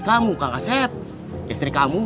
kamu kang asep istri kamu